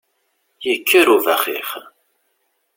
Yekker ubaxix!